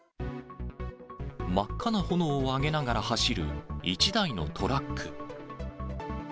真っ赤な炎を上げながら走る一台のトラック。